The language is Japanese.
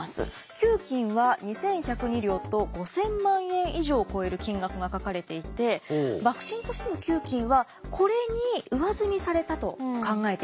給金は２，１０２両と５，０００万円以上超える金額が書かれていて幕臣としての給金はこれに上積みされたと考えてよさそうです。